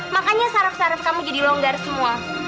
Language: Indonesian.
makanya saraf syaraf kamu jadi longgar semua